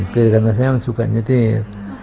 karena saya yang suka nyetir